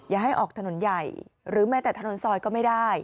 อย่าให้ออกถนนใหญ่หรือแม้แต่ถนนซอยก็ไม่ได้